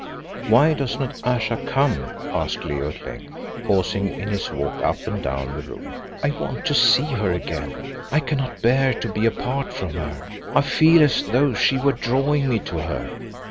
"Why does not Ayesha come?" asked Leo at length, pausing in his walk up and down the room. "I want to see her again; I cannot bear to be apart from her. I feel as though she were drawing me to her."